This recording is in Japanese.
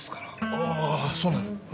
あーそうなの？